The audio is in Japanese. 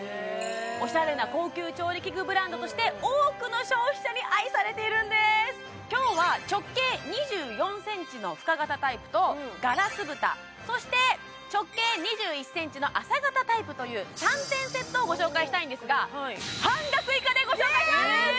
オシャレな高級調理器具ブランドとして多くの消費者に愛されているんです今日は直径２４ｃｍの深型タイプとガラス蓋そして直径２１ｃｍの浅型タイプという３点セットをご紹介したいんですが半額以下でご紹介しますえっ？